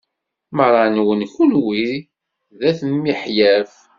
Meṛṛa-nwen kunwi d at miḥyaf.